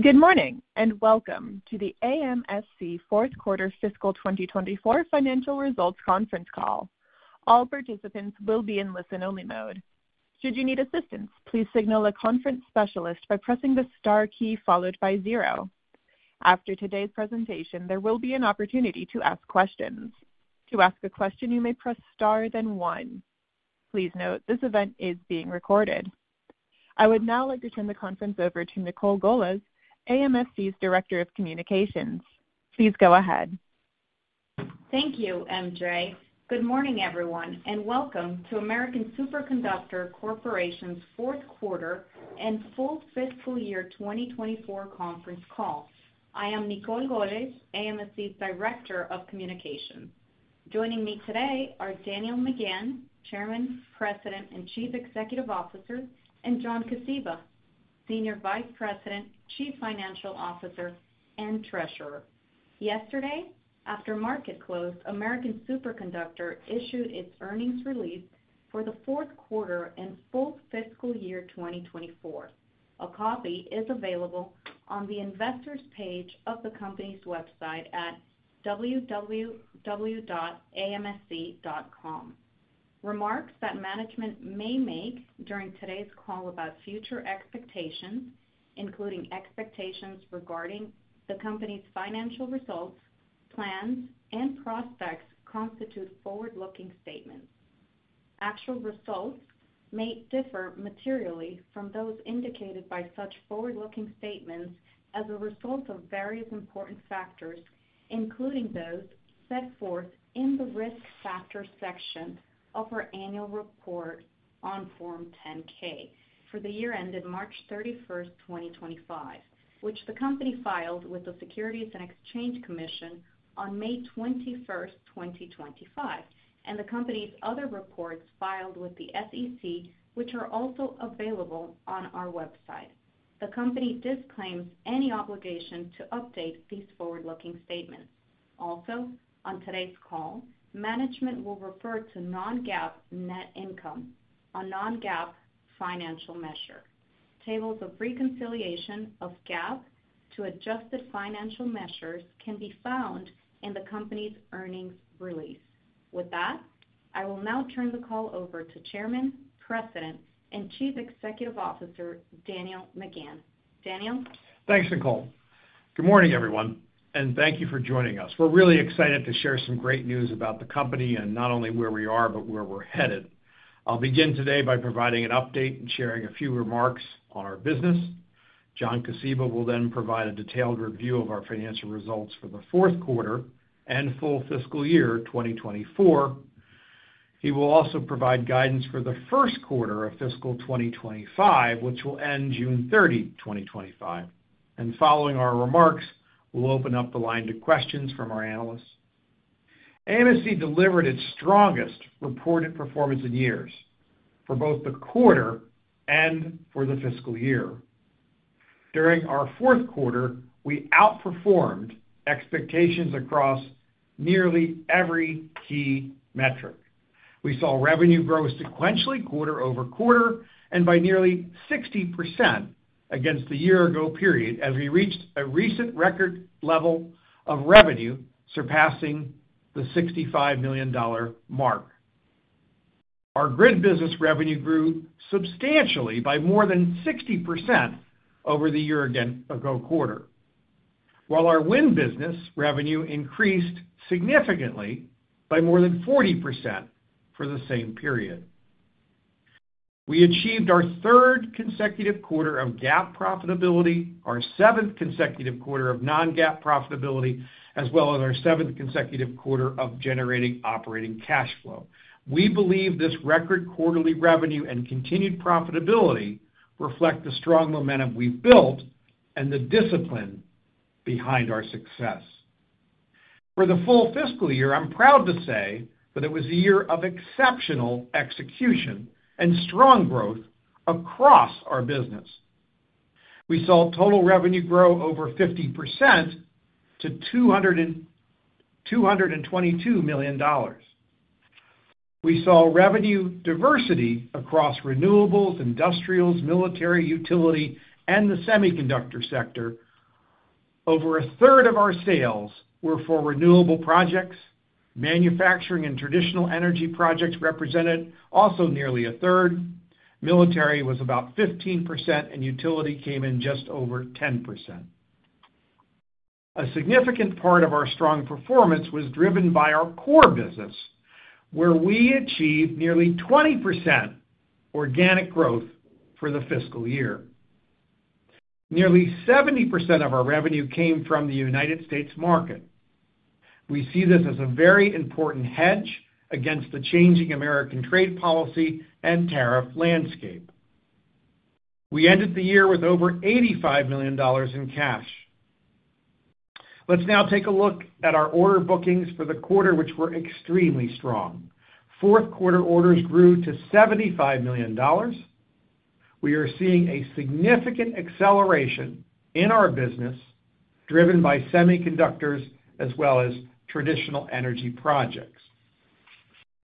Good morning and welcome to the AMSC Fourth Quarter Fiscal 2024 Financial Results conference Call. All participants will be in listen-only mode. Should you need assistance, please signal a conference specialist by pressing the star key followed by zero. After today's presentation, there will be an opportunity to ask questions. To ask a question, you may press star then one. Please note this event is being recorded. I would now like to turn the conference over to Nicol Golez, AMSC's Director of Communications. Please go ahead. Thank you, MJ. Good morning, everyone, and welcome to American Superconductor Corporation's fourth quarter and full fiscal year 2024 conference call. I am Nicol Golez, AMSC's Director of Communications. Joining me today are Daniel McGahn, Chairman, President, and Chief Executive Officer, and John Kosiba, Senior Vice President, Chief Financial Officer, and Treasurer. Yesterday, after market close, American Superconductor issued its earnings release for the fourth quarter and full fiscal year 2024. A copy is available on the investors' page of the company's website at www.amsc.com. Remarks that management may make during today's call about future expectations, including expectations regarding the company's financial results, plans, and prospects, constitute forward-looking statements. Actual results may differ materially from those indicated by such forward-looking statements as a result of various important factors, including those set forth in the risk factor section of our annual report on Form 10-K for the year ended March 31, 2025, which the company filed with the Securities and Exchange Commission on May 21, 2025, and the company's other reports filed with the SEC, which are also available on our website. The company disclaims any obligation to update these forward-looking statements. Also, on today's call, management will refer to non-GAAP net income, a non-GAAP financial measure. Tables of reconciliation of GAAP to adjusted financial measures can be found in the company's earnings release. With that, I will now turn the call over to Chairman, President, and Chief Executive Officer, Daniel McGahn. Daniel. Thanks, Nicol. Good morning, everyone, and thank you for joining us. We're really excited to share some great news about the company and not only where we are, but where we're headed. I'll begin today by providing an update and sharing a few remarks on our business. John Kosiba will then provide a detailed review of our financial results for the fourth quarter and full fiscal year 2024. He will also provide guidance for the first quarter of fiscal 2025, which will end June 30, 2025. Following our remarks, we'll open up the line to questions from our analysts. AMSC delivered its strongest reported performance in years for both the quarter and for the fiscal year. During our fourth quarter, we outperformed expectations across nearly every key metric. We saw revenue grow sequentially quarter over quarter and by nearly 60% against the year-ago period as we reached a recent record level of revenue surpassing the $65 million mark. Our grid business revenue grew substantially by more than 60% over the year-ago quarter, while our wind business revenue increased significantly by more than 40% for the same period. We achieved our third consecutive quarter of GAAP profitability, our seventh consecutive quarter of non-GAAP profitability, as well as our seventh consecutive quarter of generating operating cash flow. We believe this record quarterly revenue and continued profitability reflect the strong momentum we've built and the discipline behind our success. For the full fiscal year, I'm proud to say that it was a year of exceptional execution and strong growth across our business. We saw total revenue grow over 50% to $222 million. We saw revenue diversity across renewables, industrials, military, utility, and the semiconductor sector. Over a third of our sales were for renewable projects. Manufacturing and traditional energy projects represented also nearly a third. Military was about 15%, and utility came in just over 10%. A significant part of our strong performance was driven by our core business, where we achieved nearly 20% organic growth for the fiscal year. Nearly 70% of our revenue came from the United States market. We see this as a very important hedge against the changing American trade policy and tariff landscape. We ended the year with over $85 million in cash. Let's now take a look at our order bookings for the quarter, which were extremely strong. Fourth quarter orders grew to $75 million. We are seeing a significant acceleration in our business driven by semiconductors as well as traditional energy projects.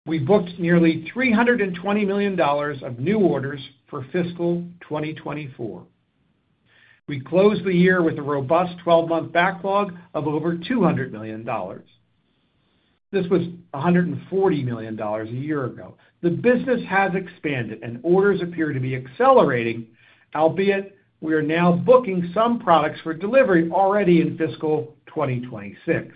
We booked nearly $320 million of new orders for fiscal 2024. We closed the year with a robust 12-month backlog of over $200 million. This was $140 million a year ago. The business has expanded, and orders appear to be accelerating, albeit we are now booking some products for delivery already in fiscal 2026.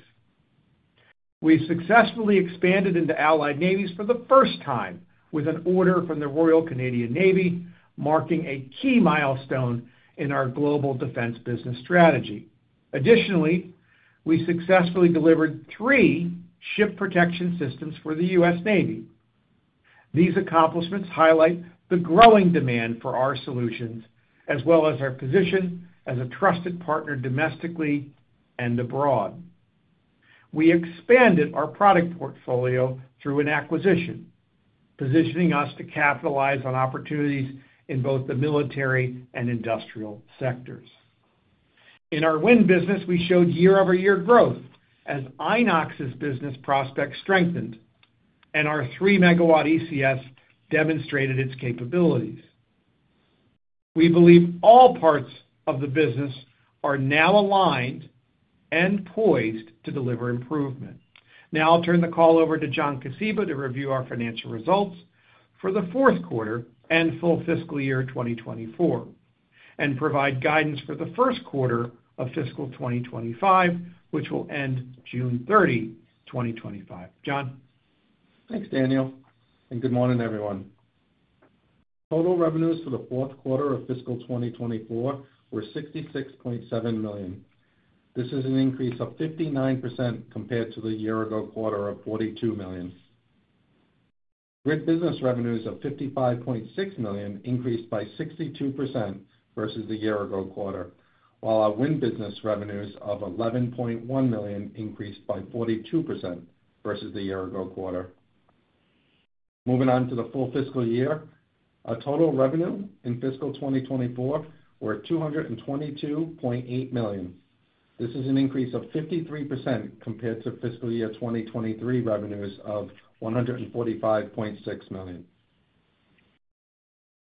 We successfully expanded into Allied Navies for the first time with an order from the Royal Canadian Navy, marking a key milestone in our global defense business strategy. Additionally, we successfully delivered three ship protection systems for the U.S. Navy. These accomplishments highlight the growing demand for our solutions as well as our position as a trusted partner domestically and abroad. We expanded our product portfolio through an acquisition, positioning us to capitalize on opportunities in both the military and industrial sectors. In our wind business, we showed year-over-year growth as Inox's business prospects strengthened and our 3 MW ECS demonstrated its capabilities. We believe all parts of the business are now aligned and poised to deliver improvement. Now I'll turn the call over to John Kosiba to review our financial results for the fourth quarter and full fiscal year 2024 and provide guidance for the first quarter of fiscal 2025, which will end June 30, 2025. John. Thanks, Daniel. Good morning, everyone. Total revenues for the fourth quarter of fiscal 2024 were $66.7 million. This is an increase of 59% compared to the year-ago quarter of $42 million. Grid business revenues of $55.6 million increased by 62% versus the year-ago quarter, while our wind business revenues of $11.1 million increased by 42% versus the year-ago quarter. Moving on to the full fiscal year, our total revenue in fiscal 2024 were $222.8 million. This is an increase of 53% compared to fiscal year 2023 revenues of $145.6 million.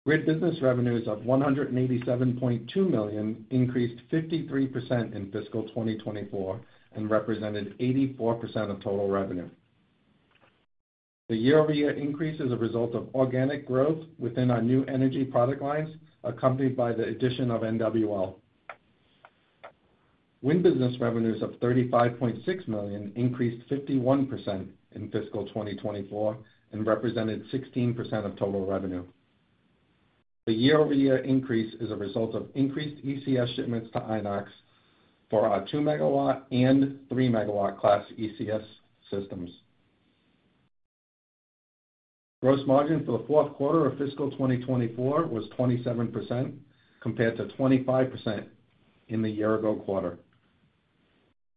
Grid business revenues of $187.2 million increased 53% in fiscal 2024 and represented 84% of total revenue. The year-over-year increase is a result of organic growth within our new energy product lines, accompanied by the addition of NWL. Wind business revenues of $35.6 million increased 51% in fiscal 2024 and represented 16% of total revenue. The year-over-year increase is a result of increased ECS shipments to Inox for our 2 MW and 3 MW class ECS systems. Gross margin for the fourth quarter of fiscal 2024 was 27% compared to 25% in the year-ago quarter.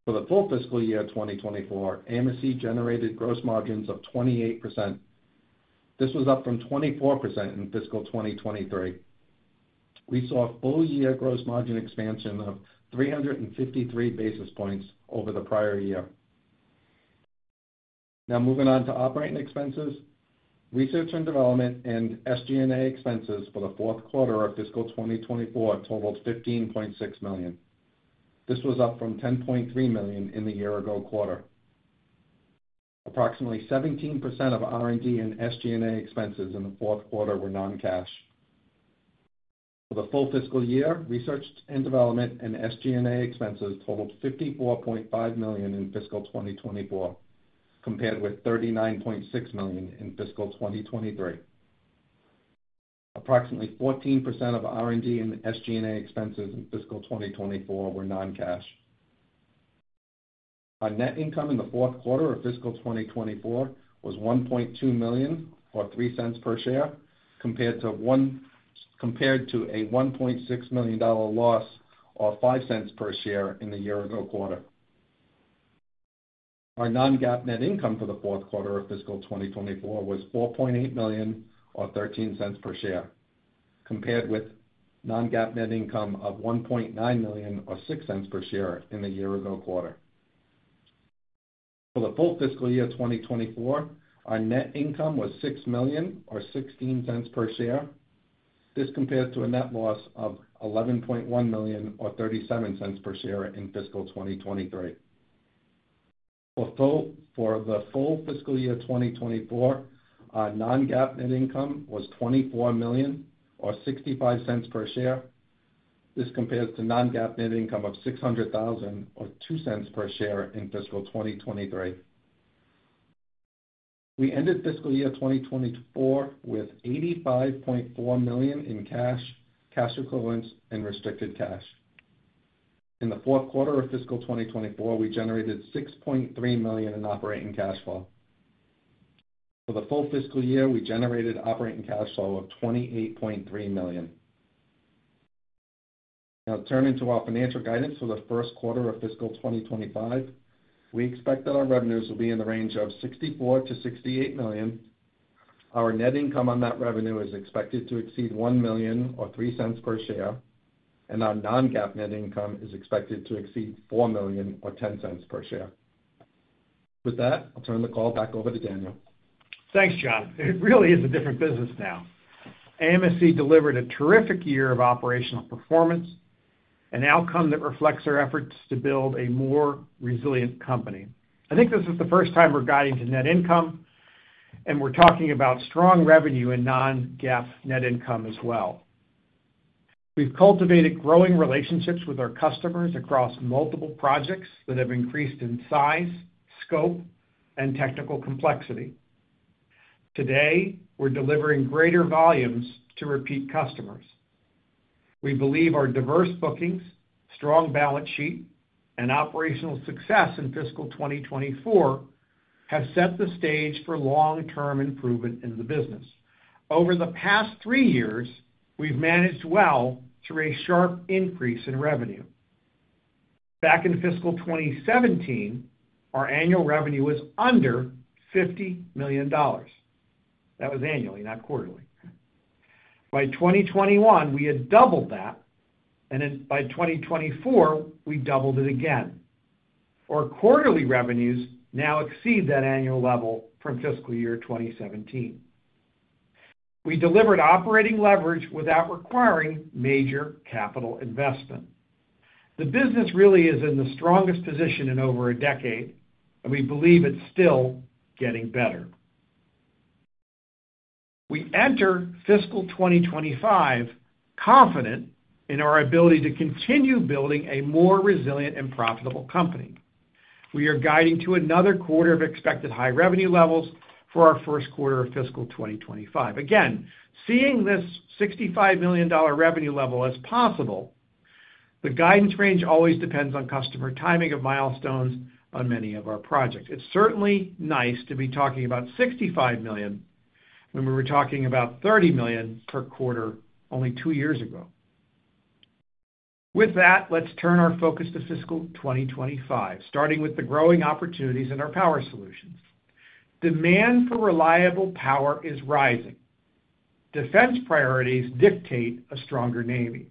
For the full fiscal year 2024, AMSC generated gross margins of 28%. This was up from 24% in fiscal 2023. We saw full-year gross margin expansion of 353 basis points over the prior year. Now moving on to operating expenses, research and development, and SG&A expenses for the fourth quarter of fiscal 2024 totaled $15.6 million. This was up from $10.3 million in the year-ago quarter. Approximately 17% of R&D and SG&A expenses in the fourth quarter were non-cash. For the full fiscal year, research and development and SG&A expenses totaled $54.5 million in fiscal 2024, compared with $39.6 million in fiscal 2023. Approximately 14% of R&D and SG&A expenses in fiscal 2024 were non-cash. Our net income in the fourth quarter of fiscal 2024 was $1.2 million or $0.03 per share, compared to a $1.6 million loss or $0.05 per share in the year-ago quarter. Our non-GAAP net income for the fourth quarter of fiscal 2024 was $4.8 million or $0.13 per share, compared with non-GAAP net income of $1.9 million or $0.06 per share in the year-ago quarter. For the full fiscal year 2024, our net income was $6 million or $0.16 per share. This compared to a net loss of $11.1 million or $0.37 per share in fiscal 2023. For the full fiscal year 2024, our non-GAAP net income was $24 million or $0.65 per share. This compares to non-GAAP net income of $600,000 or $0.02 per share in fiscal 2023. We ended fiscal year 2024 with $85.4 million in cash, cash equivalents, and restricted cash. In the fourth quarter of fiscal 2024, we generated $6.3 million in operating cash flow. For the full fiscal year, we generated operating cash flow of $28.3 million. Now turning to our financial guidance for the first quarter of fiscal 2025, we expect that our revenues will be in the range of $64-$68 million. Our net income on that revenue is expected to exceed $1 million or $0.03 per share, and our non-GAAP net income is expected to exceed $4 million or $0.10 per share. With that, I'll turn the call back over to Daniel. Thanks, John. It really is a different business now. AMSC delivered a terrific year of operational performance, an outcome that reflects our efforts to build a more resilient company. I think this is the first time we're guiding to net income, and we're talking about strong revenue and non-GAAP net income as well. We've cultivated growing relationships with our customers across multiple projects that have increased in size, scope, and technical complexity. Today, we're delivering greater volumes to repeat customers. We believe our diverse bookings, strong balance sheet, and operational success in fiscal 2024 have set the stage for long-term improvement in the business. Over the past three years, we've managed well through a sharp increase in revenue. Back in fiscal 2017, our annual revenue was under $50 million. That was annually, not quarterly. By 2021, we had doubled that, and by 2024, we doubled it again. Our quarterly revenues now exceed that annual level from fiscal year 2017. We delivered operating leverage without requiring major capital investment. The business really is in the strongest position in over a decade, and we believe it's still getting better. We enter fiscal 2025 confident in our ability to continue building a more resilient and profitable company. We are guiding to another quarter of expected high revenue levels for our first quarter of fiscal 2025. Again, seeing this $65 million revenue level as possible, the guidance range always depends on customer timing of milestones on many of our projects. It's certainly nice to be talking about $65 million when we were talking about $30 million per quarter only two years ago. With that, let's turn our focus to fiscal 2025, starting with the growing opportunities in our power solutions. Demand for reliable power is rising. Defense priorities dictate a stronger Navy.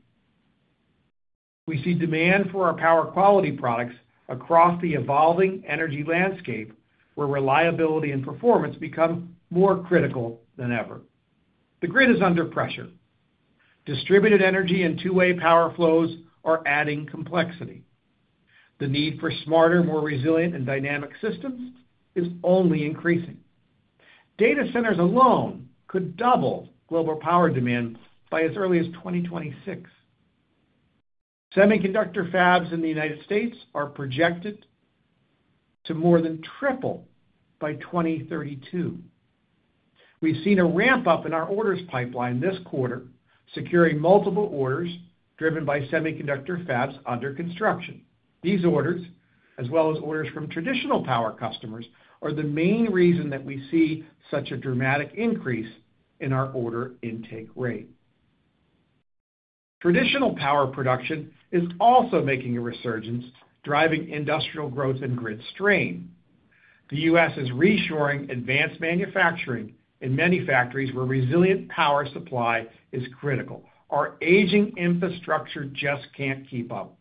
We see demand for our power quality products across the evolving energy landscape where reliability and performance become more critical than ever. The grid is under pressure. Distributed energy and two-way power flows are adding complexity. The need for smarter, more resilient, and dynamic systems is only increasing. Data centers alone could double global power demand by as early as 2026. Semiconductor fabs in the United States are projected to more than triple by 2032. We've seen a ramp-up in our orders pipeline this quarter, securing multiple orders driven by semiconductor fabs under construction. These orders, as well as orders from traditional power customers, are the main reason that we see such a dramatic increase in our order intake rate. Traditional power production is also making a resurgence, driving industrial growth and grid strain. The U.S. is reshoring advanced manufacturing in many factories where resilient power supply is critical. Our aging infrastructure just can't keep up.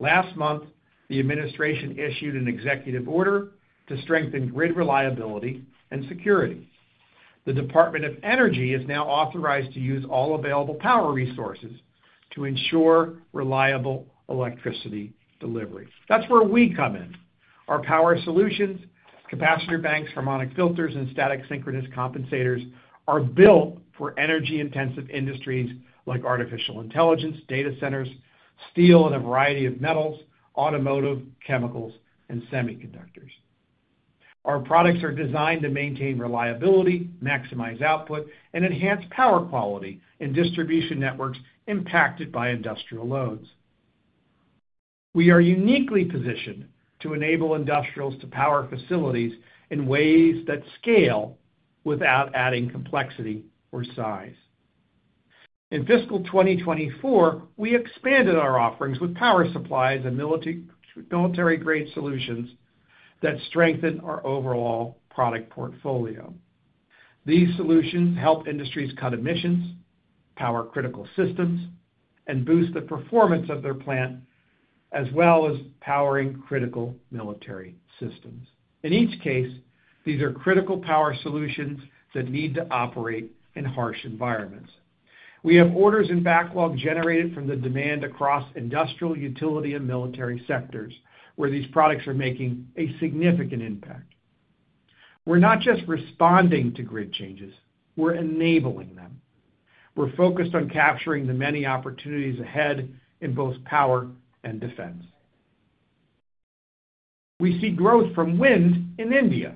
Last month, the administration issued an executive order to strengthen grid reliability and security. The Department of Energy is now authorized to use all available power resources to ensure reliable electricity delivery. That's where we come in. Our power solutions, capacitor banks, harmonic filters, and static synchronous compensators are built for energy-intensive industries like artificial intelligence, data centers, steel and a variety of metals, automotive, chemicals, and semiconductors. Our products are designed to maintain reliability, maximize output, and enhance power quality in distribution networks impacted by industrial loads. We are uniquely positioned to enable industrials to power facilities in ways that scale without adding complexity or size. In fiscal 2024, we expanded our offerings with power supplies and military-grade solutions that strengthen our overall product portfolio. These solutions help industries cut emissions, power critical systems, and boost the performance of their plant, as well as powering critical military systems. In each case, these are critical power solutions that need to operate in harsh environments. We have orders and backlog generated from the demand across industrial, utility, and military sectors where these products are making a significant impact. We're not just responding to grid changes. We're enabling them. We're focused on capturing the many opportunities ahead in both power and defense. We see growth from wind in India.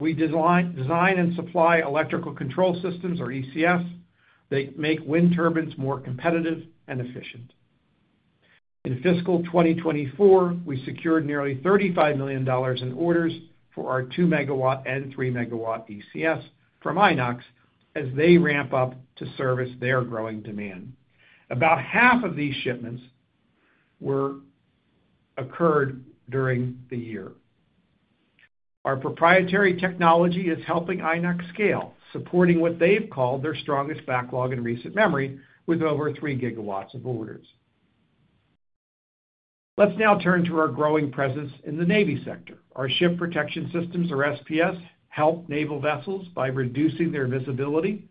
We design and supply electrical control systems, or ECS, that make wind turbines more competitive and efficient. In fiscal 2024, we secured nearly $35 million in orders for our 2 MW and 3 MW ECS from Inox Wind as they ramp up to service their growing demand. About half of these shipments occurred during the year. Our proprietary technology is helping Inox scale, supporting what they've called their strongest backlog in recent memory with over 3 GW of orders. Let's now turn to our growing presence in the Navy sector. Our ship protection systems, or SPS, help naval vessels by reducing their visibility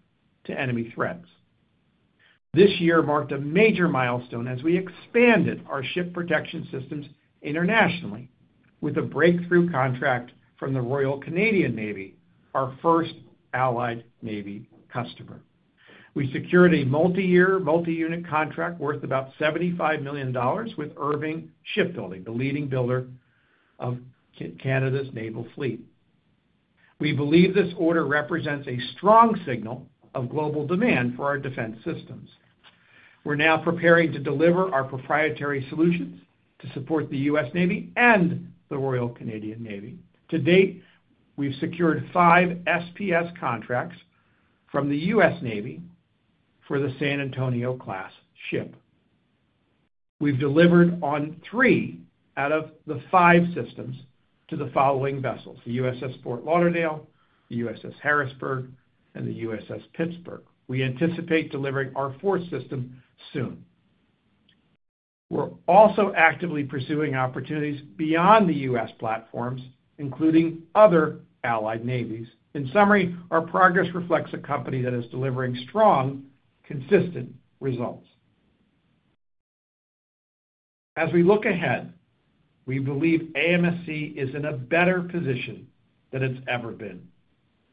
to enemy threats. This year marked a major milestone as we expanded our ship protection systems internationally with a breakthrough contract from the Royal Canadian Navy, our first allied Navy customer. We secured a multi-year, multi-unit contract worth about $75 million with Irving Shipbuilding, the leading builder of Canada's naval fleet. We believe this order represents a strong signal of global demand for our defense systems. We're now preparing to deliver our proprietary solutions to support the U.S. Navy and the Royal Canadian Navy. To date, we've secured five SPS contracts from the U.S. Navy for the San Antonio-class ship. We've delivered on three out of the five systems to the following vessels: the USS Fort Lauderdale, the USS Harrisburg, and the USS Pittsburgh. We anticipate delivering our fourth system soon. We're also actively pursuing opportunities beyond the U.S. platforms, including other allied navies. In summary, our progress reflects a company that is delivering strong, consistent results. As we look ahead, we believe AMSC is in a better position than it's ever been.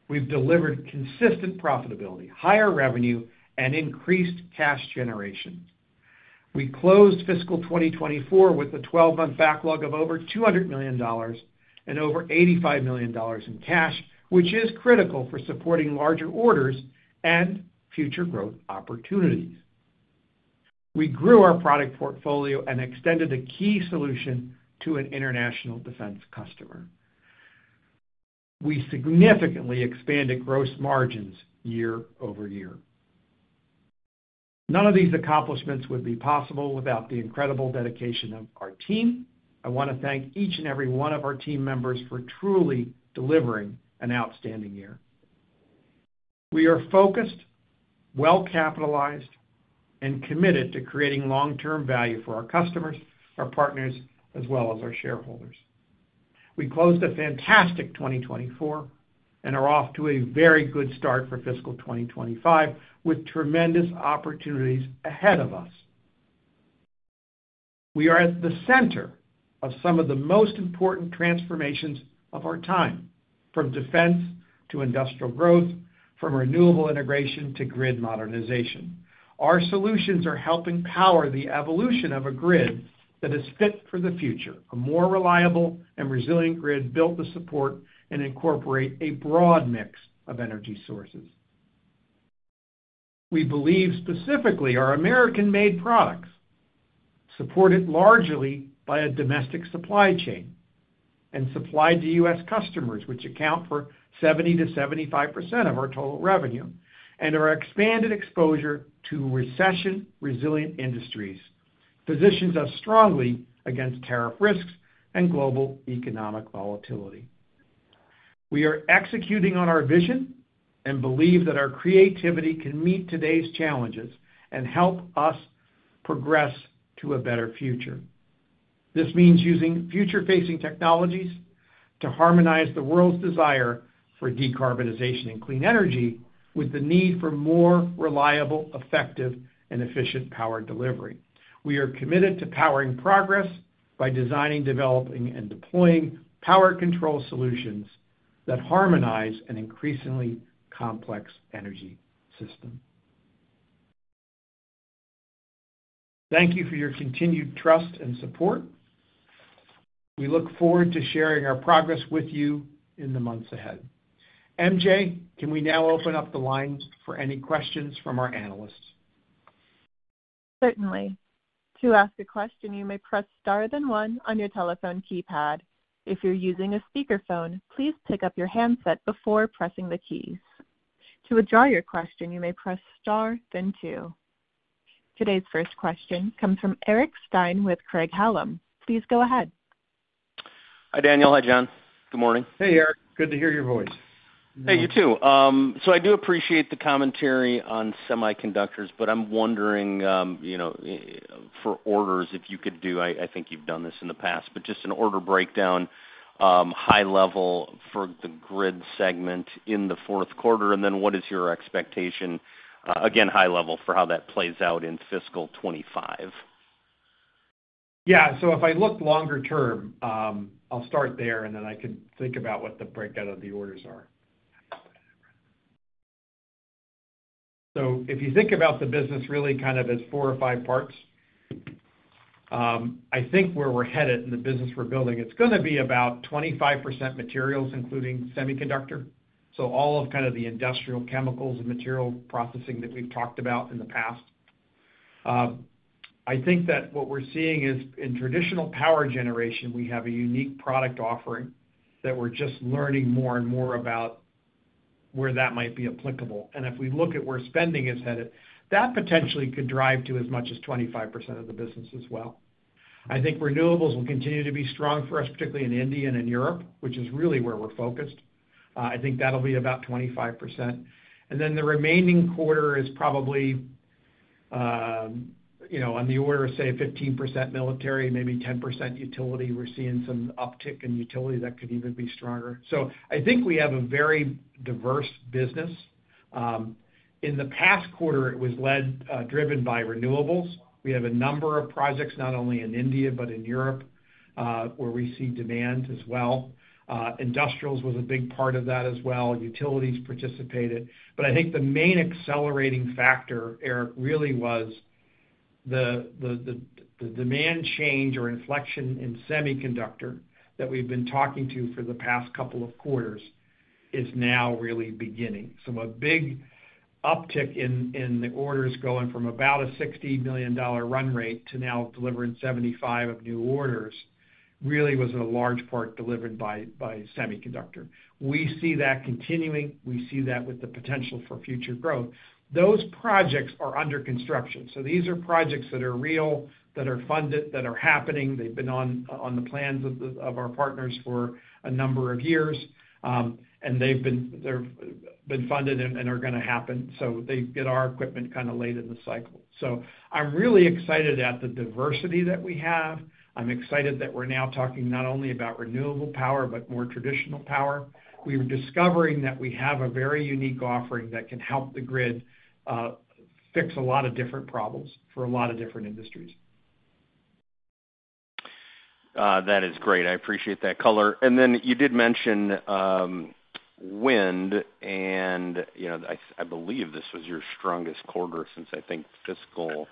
We've delivered consistent profitability, higher revenue, and increased cash generation. We closed fiscal 2024 with a 12-month backlog of over $200 million and over $85 million in cash, which is critical for supporting larger orders and future growth opportunities. We grew our product portfolio and extended a key solution to an international defense customer. We significantly expanded gross margins year-over-year. None of these accomplishments would be possible without the incredible dedication of our team. I want to thank each and every one of our team members for truly delivering an outstanding year. We are focused, well-capitalized, and committed to creating long-term value for our customers, our partners, as well as our shareholders. We closed a fantastic 2024 and are off to a very good start for fiscal 2025 with tremendous opportunities ahead of us. We are at the center of some of the most important transformations of our time, from defense to industrial growth, from renewable integration to grid modernization. Our solutions are helping power the evolution of a grid that is fit for the future, a more reliable and resilient grid built to support and incorporate a broad mix of energy sources. We believe specifically our American-made products, supported largely by a domestic supply chain and supplied to U.S. customers, which account for 70%-75% of our total revenue, and our expanded exposure to recession-resilient industries positions us strongly against tariff risks and global economic volatility. We are executing on our vision and believe that our creativity can meet today's challenges and help us progress to a better future. This means using future-facing technologies to harmonize the world's desire for decarbonization and clean energy with the need for more reliable, effective, and efficient power delivery. We are committed to powering progress by designing, developing, and deploying power control solutions that harmonize an increasingly complex energy system. Thank you for your continued trust and support. We look forward to sharing our progress with you in the months ahead. MJ, can we now open up the line for any questions from our analysts? Certainly. To ask a question, you may press star then one on your telephone keypad. If you're using a speakerphone, please pick up your handset before pressing the keys. To withdraw your question, you may press star then two. Today's first question comes from Eric Stein with Craig-Hallum. Please go ahead. Hi, Daniel. Hi, John. Good morning. Hey, Eric. Good to hear your voice. Hey, you too. I do appreciate the commentary on semiconductors, but I'm wondering for orders if you could do—I think you've done this in the past—but just an order breakdown, high level for the grid segment in the fourth quarter, and then what is your expectation? Again, high level for how that plays out in fiscal 2025. Yeah. If I look longer term, I'll start there, and then I can think about what the breakdown of the orders are. If you think about the business really kind of as four or five parts, I think where we're headed in the business we're building, it's going to be about 25% materials, including semiconductor. All of kind of the industrial chemicals and material processing that we've talked about in the past. I think that what we're seeing is in traditional power generation, we have a unique product offering that we're just learning more and more about where that might be applicable. If we look at where spending is headed, that potentially could drive to as much as 25% of the business as well. I think renewables will continue to be strong for us, particularly in India and in Europe, which is really where we're focused. I think that'll be about 25%. And then the remaining quarter is probably on the order of, say, 15% military, maybe 10% utility. We're seeing some uptick in utility that could even be stronger. I think we have a very diverse business. In the past quarter, it was driven by renewables. We have a number of projects not only in India but in Europe where we see demand as well. Industrials was a big part of that as well. Utilities participated. I think the main accelerating factor, Eric, really was the demand change or inflection in semiconductor that we've been talking to for the past couple of quarters is now really beginning. A big uptick in the orders going from about a $60 million run rate to now delivering $75 million of new orders really was in a large part delivered by semiconductor. We see that continuing. We see that with the potential for future growth. Those projects are under construction. These are projects that are real, that are funded, that are happening. They have been on the plans of our partners for a number of years, and they have been funded and are going to happen. They get our equipment kind of late in the cycle. I am really excited at the diversity that we have. I am excited that we are now talking not only about renewable power but more traditional power. We are discovering that we have a very unique offering that can help the grid fix a lot of different problems for a lot of different industries. That is great. I appreciate that color. You did mention wind, and I believe this was your strongest quarter since, I think, fiscal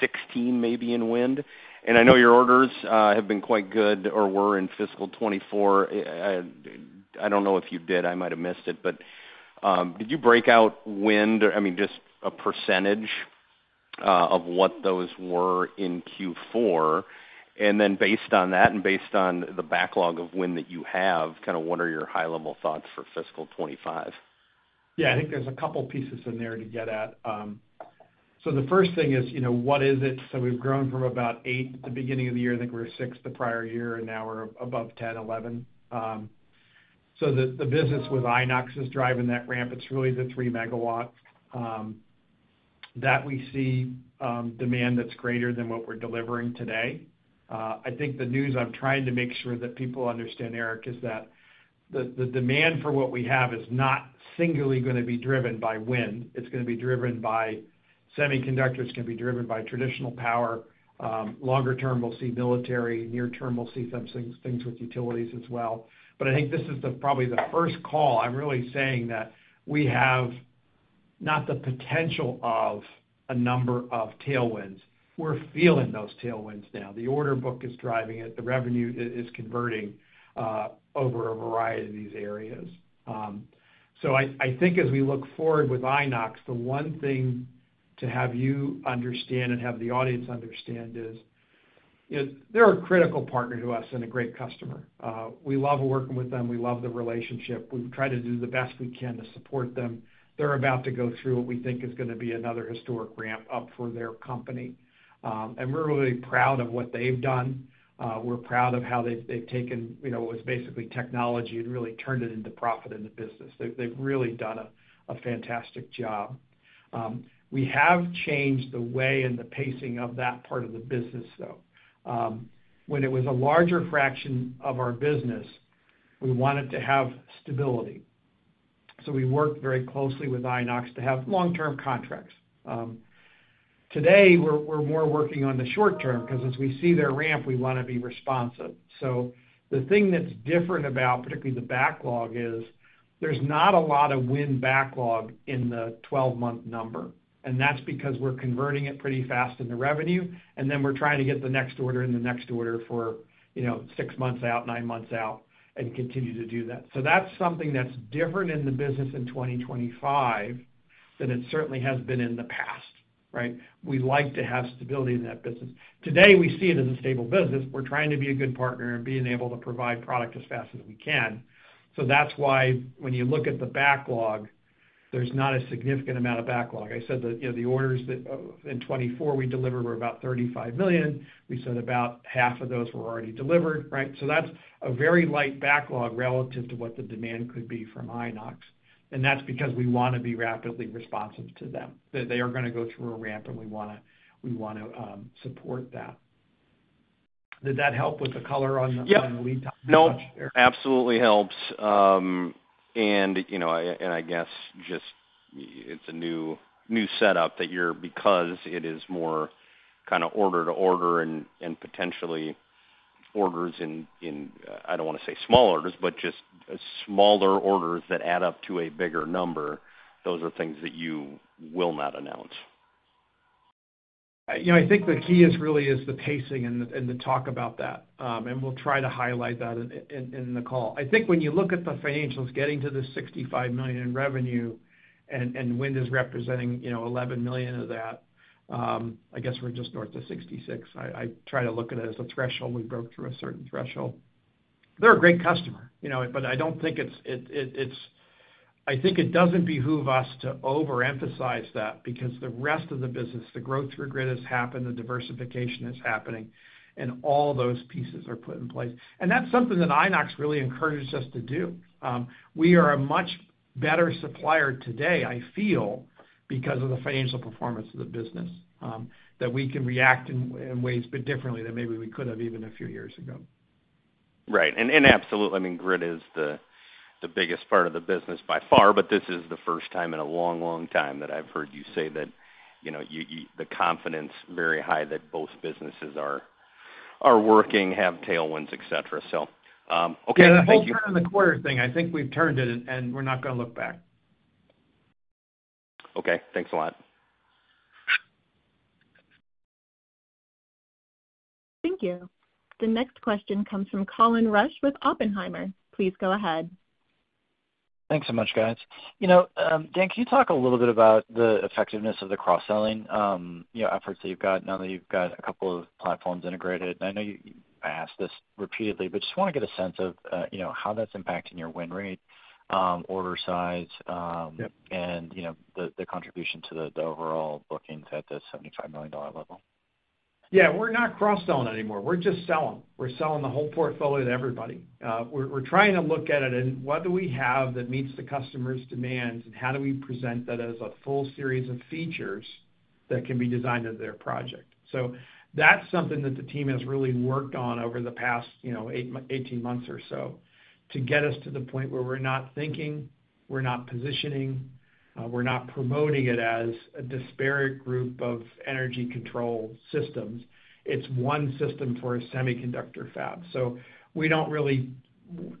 2016, maybe in wind. I know your orders have been quite good or were in fiscal 2024. I do not know if you did. I might have missed it. Did you break out wind, I mean, just a percentage of what those were in Q4? Based on that and based on the backlog of wind that you have, kind of what are your high-level thoughts for fiscal 2025? Yeah. I think there's a couple of pieces in there to get at. The first thing is, what is it? We've grown from about eight at the beginning of the year. I think we were six the prior year, and now we're above 10, 11. The business with Inox is driving that ramp. It's really the 3 MW that we see demand that's greater than what we're delivering today. I think the news I'm trying to make sure that people understand, Eric, is that the demand for what we have is not singly going to be driven by wind. It's going to be driven by semiconductors. It's going to be driven by traditional power. Longer term, we'll see military. Near term, we'll see some things with utilities as well. I think this is probably the first call. I'm really saying that we have not the potential of a number of tailwinds. We're feeling those tailwinds now. The order book is driving it. The revenue is converting over a variety of these areas. I think as we look forward with Inox, the one thing to have you understand and have the audience understand is they're a critical partner to us and a great customer. We love working with them. We love the relationship. We've tried to do the best we can to support them. They're about to go through what we think is going to be another historic ramp up for their company. We're really proud of what they've done. We're proud of how they've taken what was basically technology and really turned it into profit in the business. They've really done a fantastic job. We have changed the way and the pacing of that part of the business, though. When it was a larger fraction of our business, we wanted to have stability. So we worked very closely with Inox to have long-term contracts. Today, we're more working on the short term because as we see their ramp, we want to be responsive. The thing that's different about particularly the backlog is there's not a lot of wind backlog in the 12-month number. That's because we're converting it pretty fast into revenue, and then we're trying to get the next order and the next order for six months out, nine months out, and continue to do that. That's something that's different in the business in 2025 than it certainly has been in the past, right? We'd like to have stability in that business. Today, we see it as a stable business. We're trying to be a good partner and being able to provide product as fast as we can. That's why when you look at the backlog, there's not a significant amount of backlog. I said that the orders in 2024 we delivered were about $35 million. We said about half of those were already delivered, right? That's a very light backlog relative to what the demand could be from Inox. That's because we want to be rapidly responsive to them. They are going to go through a ramp, and we want to support that. Did that help with the color on the lead topic? No, absolutely helps. I guess just it's a new setup that you're because it is more kind of order to order and potentially orders in, I don't want to say smaller orders, but just smaller orders that add up to a bigger number. Those are things that you will not announce. I think the key really is the pacing and the talk about that. We'll try to highlight that in the call. I think when you look at the financials, getting to the $65 million in revenue and wind is representing $11 million of that, I guess we're just north of $66 million. I try to look at it as a threshold. We broke through a certain threshold. They're a great customer, but I don't think it behooves us to overemphasize that because the rest of the business, the growth through grid has happened, the diversification is happening, and all those pieces are put in place. That's something that Inox really encourages us to do. We are a much better supplier today, I feel, because of the financial performance of the business, that we can react in ways a bit differently than maybe we could have even a few years ago. Right. Absolutely. I mean, grid is the biggest part of the business by far, but this is the first time in a long, long time that I've heard you say that the confidence is very high that both businesses are working, have tailwinds, etc. Okay. Yeah. That was kind of the quarter thing. I think we've turned it, and we're not going to look back. Okay. Thanks a lot. Thank you. The next question comes from Colin Rusch with Oppenheimer. Please go ahead. Thanks so much, guys. Dan, can you talk a little bit about the effectiveness of the cross-selling efforts that you've got now that you've got a couple of platforms integrated? I know I ask this repeatedly, but just want to get a sense of how that's impacting your win rate, order size, and the contribution to the overall bookings at the $75 million level. Yeah. We're not cross-selling anymore. We're just selling. We're selling the whole portfolio to everybody. We're trying to look at it and what do we have that meets the customer's demands, and how do we present that as a full series of features that can be designed to their project? That is something that the team has really worked on over the past 18 months or so to get us to the point where we're not thinking, we're not positioning, we're not promoting it as a disparate group of energy control systems. It is one system for a semiconductor fab. We do not really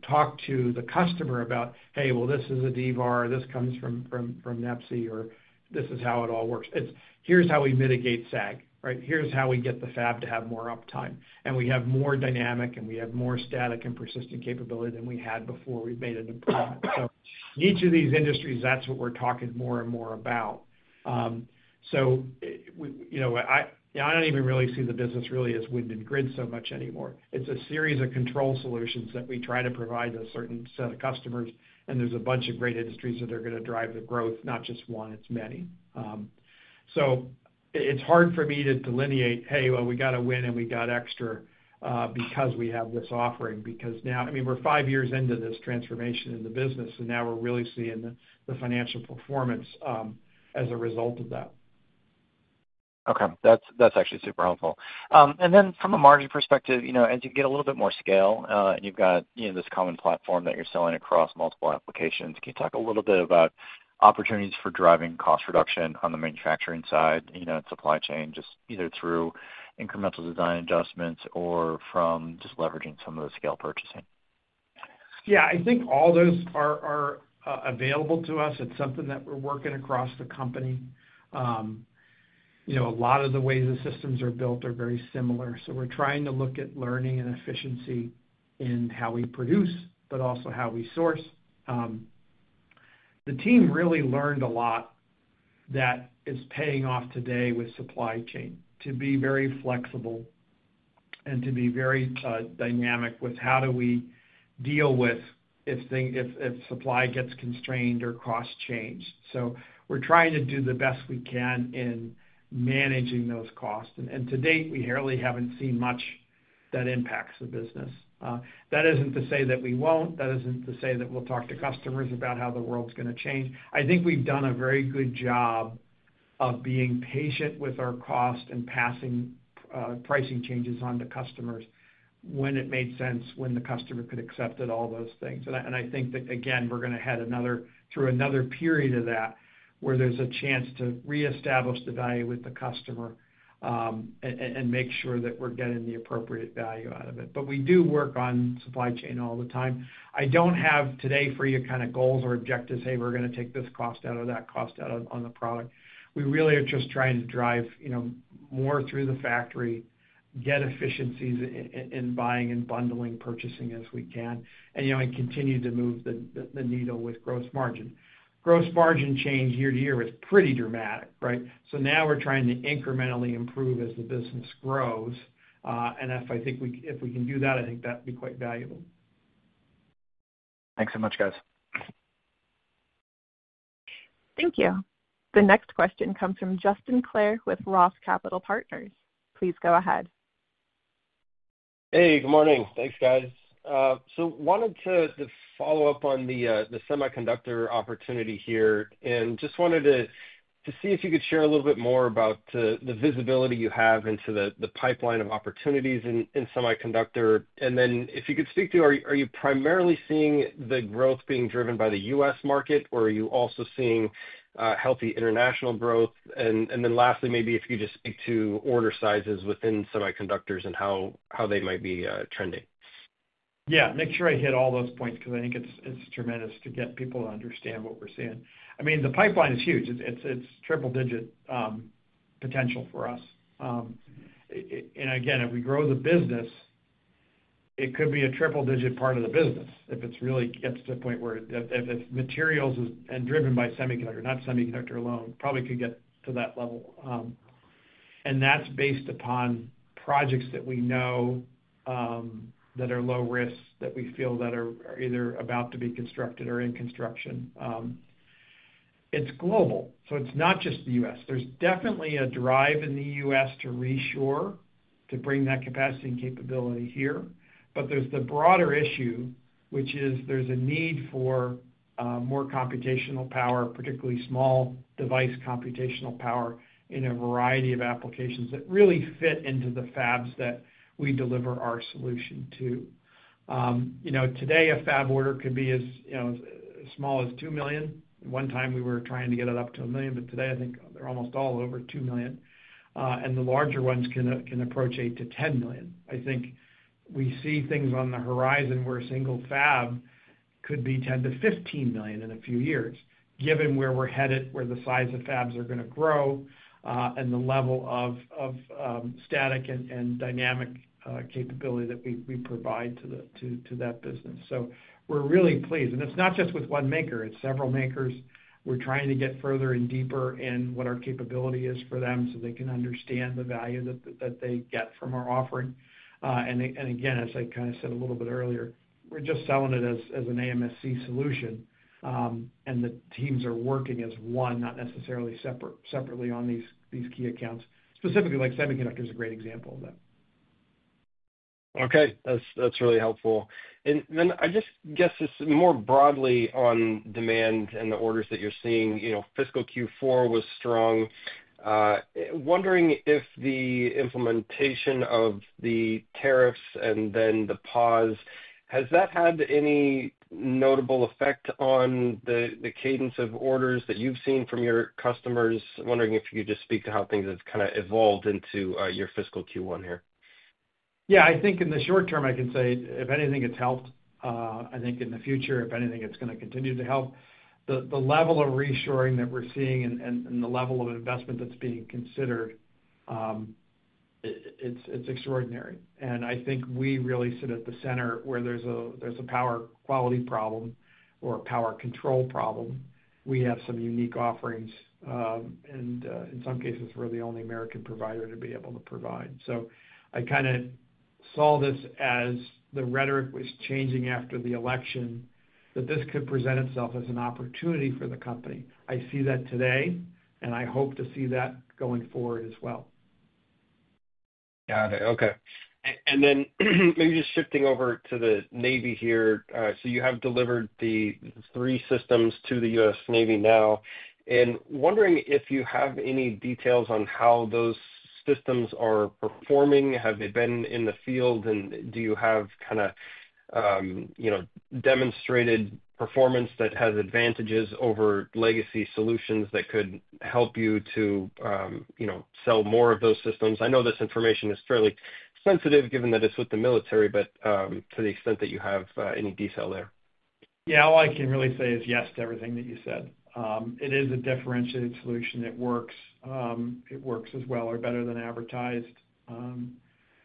talk to the customer about, "Hey, well, this is a D-VAr, this comes from NEPSI," or, "This is how it all works." It is, "Here is how we mitigate SAG," right? Here's how we get the fab to have more uptime." We have more dynamic, and we have more static and persistent capability than we had before. We have made an improvement. In each of these industries, that's what we're talking more and more about. I do not even really see the business really as wind and grid so much anymore. It is a series of control solutions that we try to provide to a certain set of customers, and there are a bunch of great industries that are going to drive the growth, not just one. It is many. It is hard for me to delineate, "Hey, well, we got a wind and we got extra because we have this offering," because now, I mean, we are five years into this transformation in the business, and now we are really seeing the financial performance as a result of that. Okay. That's actually super helpful. From a margin perspective, as you get a little bit more scale and you've got this common platform that you're selling across multiple applications, can you talk a little bit about opportunities for driving cost reduction on the manufacturing side and supply chain, just either through incremental design adjustments or from just leveraging some of the scale purchasing? Yeah. I think all those are available to us. It's something that we're working across the company. A lot of the ways the systems are built are very similar. We're trying to look at learning and efficiency in how we produce, but also how we source. The team really learned a lot that is paying off today with supply chain to be very flexible and to be very dynamic with how do we deal with if supply gets constrained or cost changed. We're trying to do the best we can in managing those costs. To date, we hardly haven't seen much that impacts the business. That isn't to say that we won't. That isn't to say that we'll talk to customers about how the world's going to change. I think we've done a very good job of being patient with our cost and passing pricing changes on to customers when it made sense, when the customer could accept it, all those things. I think that, again, we're going to head through another period of that where there's a chance to reestablish the value with the customer and make sure that we're getting the appropriate value out of it. We do work on supply chain all the time. I don't have today for you kind of goals or objectives, "Hey, we're going to take this cost out or that cost out on the product." We really are just trying to drive more through the factory, get efficiencies in buying and bundling, purchasing as we can, and continue to move the needle with gross margin. Gross margin change year to year was pretty dramatic, right? We're trying to incrementally improve as the business grows. If I think if we can do that, I think that'd be quite valuable. Thanks so much, guys. Thank you. The next question comes from Justin Clare with ROTH Capital Partners. Please go ahead. Hey, good morning. Thanks, guys. I wanted to follow up on the semiconductor opportunity here and just wanted to see if you could share a little bit more about the visibility you have into the pipeline of opportunities in semiconductor. If you could speak to, are you primarily seeing the growth being driven by the U.S. market, or are you also seeing healthy international growth? Lastly, maybe if you could just speak to order sizes within semiconductors and how they might be trending. Yeah. Make sure I hit all those points because I think it's tremendous to get people to understand what we're seeing. I mean, the pipeline is huge. It's triple-digit potential for us. Again, if we grow the business, it could be a triple-digit part of the business if it really gets to the point where if materials and driven by semiconductor, not semiconductor alone, probably could get to that level. That's based upon projects that we know that are low risk that we feel that are either about to be constructed or in construction. It's global. It's not just the U.S. There's definitely a drive in the U.S. to reshore, to bring that capacity and capability here. There is the broader issue, which is there is a need for more computational power, particularly small device computational power in a variety of applications that really fit into the fabs that we deliver our solution to. Today, a fab order could be as small as $2 million. One time, we were trying to get it up to $1 million, but today, I think they are almost all over $2 million. The larger ones can approach $8-$10 million. I think we see things on the horizon where a single fab could be $10-$15 million in a few years, given where we are headed, where the size of fabs are going to grow, and the level of static and dynamic capability that we provide to that business. We are really pleased. It is not just with one maker. It is several makers. We're trying to get further and deeper in what our capability is for them so they can understand the value that they get from our offering. As I kind of said a little bit earlier, we're just selling it as an AMSC solution, and the teams are working as one, not necessarily separately on these key accounts. Specifically, semiconductor is a great example of that. Okay. That's really helpful. I just guess this more broadly on demand and the orders that you're seeing. Fiscal Q4 was strong. Wondering if the implementation of the tariffs and then the pause, has that had any notable effect on the cadence of orders that you've seen from your customers? Wondering if you could just speak to how things have kind of evolved into your fiscal Q1 here. Yeah. I think in the short term, I can say, if anything, it's helped. I think in the future, if anything, it's going to continue to help. The level of reshoring that we're seeing and the level of investment that's being considered, it's extraordinary. I think we really sit at the center where there's a power quality problem or a power control problem. We have some unique offerings, and in some cases, we're the only American provider to be able to provide. I kind of saw this as the rhetoric was changing after the election, that this could present itself as an opportunity for the company. I see that today, and I hope to see that going forward as well. Got it. Okay. Maybe just shifting over to the Navy here. You have delivered the three systems to the U.S. Navy now. Wondering if you have any details on how those systems are performing. Have they been in the field, and do you have kind of demonstrated performance that has advantages over legacy solutions that could help you to sell more of those systems? I know this information is fairly sensitive given that it is with the military, but to the extent that you have any detail there. Yeah. All I can really say is yes to everything that you said. It is a differentiated solution. It works as well or better than advertised.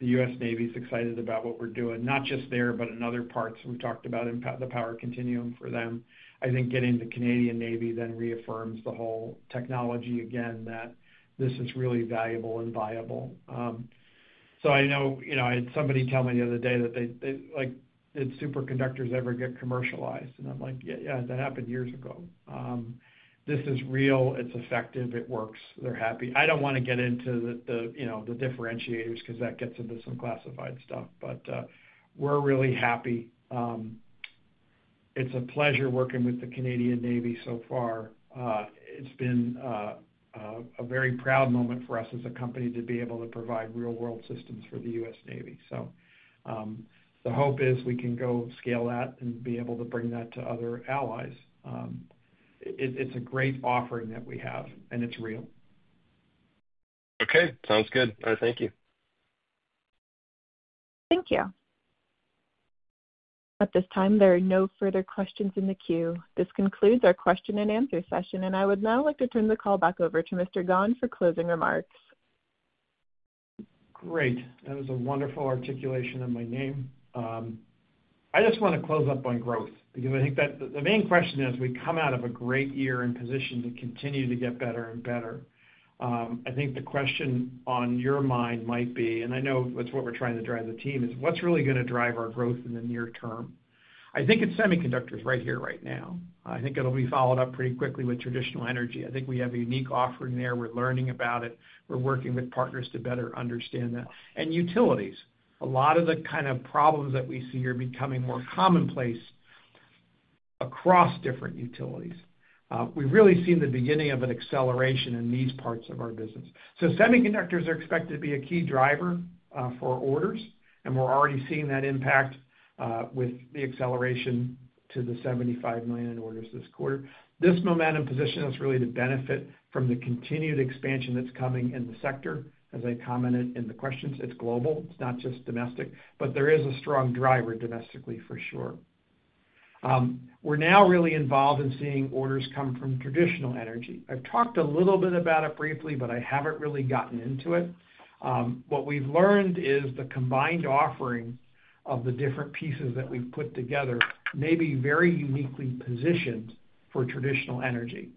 The U.S. Navy is excited about what we're doing, not just there, but in other parts. We've talked about the power continuum for them. I think getting the Canadian Navy then reaffirms the whole technology again that this is really valuable and viable. I know I had somebody tell me the other day that did superconductors ever get commercialized? I'm like, "Yeah. That happened years ago." This is real. It's effective. It works. They're happy. I don't want to get into the differentiators because that gets into some classified stuff, but we're really happy. It's a pleasure working with the Canadian Navy so far. It's been a very proud moment for us as a company to be able to provide real-world systems for the U.S. Navy. The hope is we can go scale that and be able to bring that to other allies. It's a great offering that we have, and it's real. Okay. Sounds good. All right. Thank you. Thank you. At this time, there are no further questions in the queue. This concludes our question and answer session, and I would now like to turn the call back over to Mr. McGahn for closing remarks. Great. That was a wonderful articulation of my name. I just want to close up on growth because I think that the main question is we come out of a great year in position to continue to get better and better. I think the question on your mind might be, and I know that's what we're trying to drive the team, is what's really going to drive our growth in the near term? I think it's semiconductors right here, right now. I think it'll be followed up pretty quickly with traditional energy. I think we have a unique offering there. We're learning about it. We're working with partners to better understand that. Utilities, a lot of the kind of problems that we see are becoming more commonplace across different utilities. We've really seen the beginning of an acceleration in these parts of our business. Semiconductors are expected to be a key driver for orders, and we're already seeing that impact with the acceleration to the $75 million orders this quarter. This momentum positions us really to benefit from the continued expansion that's coming in the sector. As I commented in the questions, it's global. It's not just domestic, but there is a strong driver domestically, for sure. We're now really involved in seeing orders come from traditional energy. I've talked a little bit about it briefly, but I haven't really gotten into it. What we've learned is the combined offering of the different pieces that we've put together may be very uniquely positioned for traditional energy.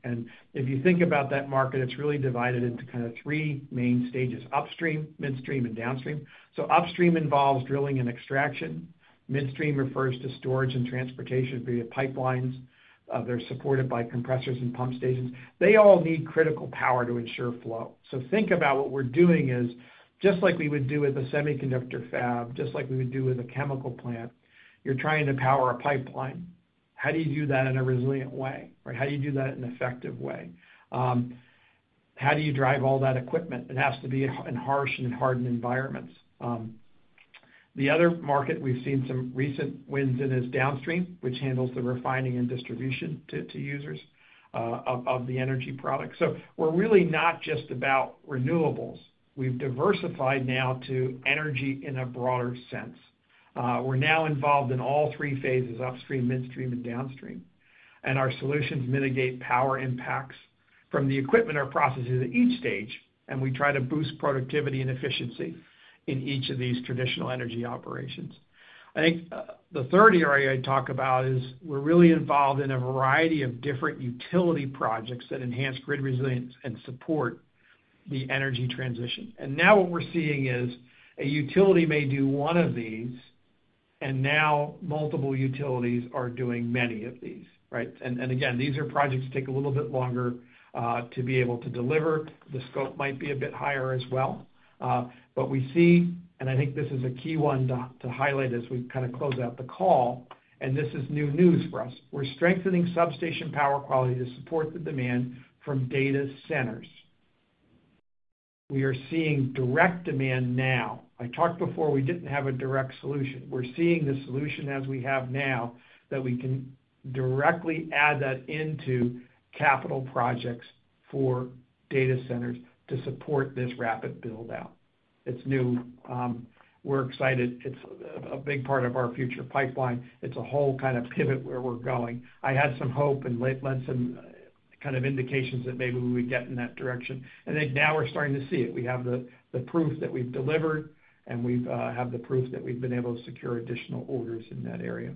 If you think about that market, it's really divided into kind of three main stages: upstream, midstream, and downstream. Upstream involves drilling and extraction. Midstream refers to storage and transportation via pipelines. They're supported by compressors and pump stations. They all need critical power to ensure flow. Think about what we're doing is just like we would do with a semiconductor fab, just like we would do with a chemical plant, you're trying to power a pipeline. How do you do that in a resilient way, right? How do you do that in an effective way? How do you drive all that equipment? It has to be in harsh and hardened environments. The other market we've seen some recent wins in is downstream, which handles the refining and distribution to users of the energy product. We're really not just about renewables. We've diversified now to energy in a broader sense. We're now involved in all three phases: upstream, midstream, and downstream. Our solutions mitigate power impacts from the equipment or processes at each stage, and we try to boost productivity and efficiency in each of these traditional energy operations. I think the third area I talk about is we are really involved in a variety of different utility projects that enhance grid resilience and support the energy transition. What we are seeing is a utility may do one of these, and now multiple utilities are doing many of these, right? These are projects that take a little bit longer to be able to deliver. The scope might be a bit higher as well. We see, and I think this is a key one to highlight as we kind of close out the call, and this is new news for us. We are strengthening substation power quality to support the demand from data centers. We are seeing direct demand now. I talked before we did not have a direct solution. We are seeing the solution as we have now that we can directly add that into capital projects for data centers to support this rapid buildout. It is new. We are excited. It is a big part of our future pipeline. It is a whole kind of pivot where we are going. I had some hope and led some kind of indications that maybe we would get in that direction. Now we are starting to see it. We have the proof that we have delivered, and we have the proof that we have been able to secure additional orders in that area.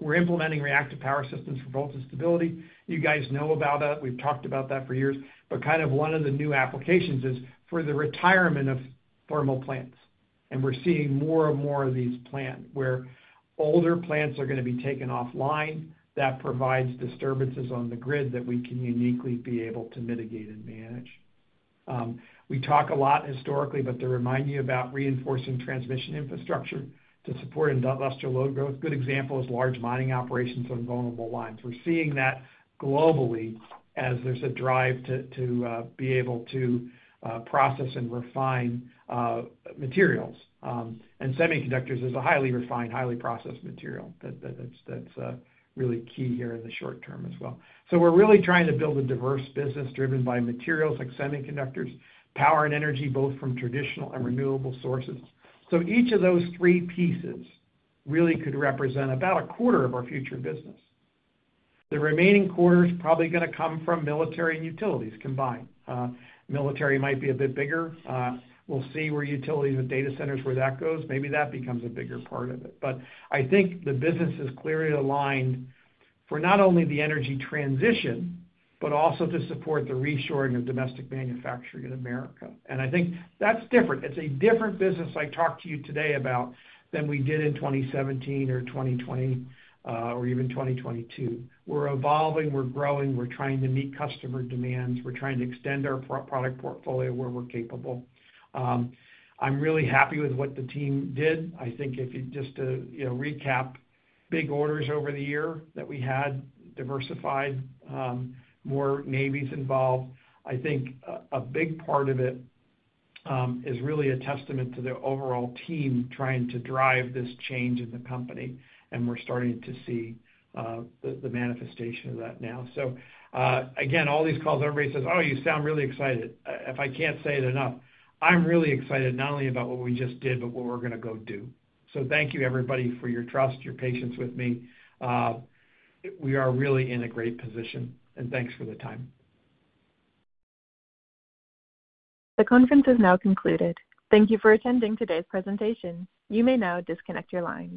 We are implementing reactive power systems for voltage stability. You guys know about it. We have talked about that for years. One of the new applications is for the retirement of thermal plants. We're seeing more and more of these plants where older plants are going to be taken offline. That provides disturbances on the grid that we can uniquely be able to mitigate and manage. We talk a lot historically, but to remind you about reinforcing transmission infrastructure to support industrial load growth. A good example is large mining operations on vulnerable lines. We're seeing that globally as there's a drive to be able to process and refine materials. Semiconductors is a highly refined, highly processed material that's really key here in the short term as well. We're really trying to build a diverse business driven by materials like semiconductors, power, and energy both from traditional and renewable sources. Each of those three pieces really could represent about a quarter of our future business. The remaining quarter is probably going to come from military and utilities combined. Military might be a bit bigger. We will see where utilities and data centers, where that goes. Maybe that becomes a bigger part of it. I think the business is clearly aligned for not only the energy transition, but also to support the reshoring of domestic manufacturing in America. I think that is different. It is a different business I talked to you today about than we did in 2017 or 2020 or even 2022. We are evolving. We are growing. We are trying to meet customer demands. We are trying to extend our product portfolio where we are capable. I am really happy with what the team did. I think if you just to recap, big orders over the year that we had diversified, more navies involved. I think a big part of it is really a testament to the overall team trying to drive this change in the company. We're starting to see the manifestation of that now. Again, all these calls, everybody says, "Oh, you sound really excited." If I can't say it enough, I'm really excited not only about what we just did, but what we're going to go do. Thank you, everybody, for your trust, your patience with me. We are really in a great position, and thanks for the time. The conference is now concluded. Thank you for attending today's presentation. You may now disconnect your line.